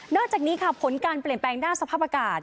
นอกจากนี้ผลการเปลี่ยนแปลงหน้าสภาพประกาศ